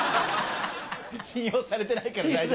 信用されてないからだいぶ。